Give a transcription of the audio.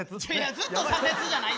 ずっと左折じゃないよ！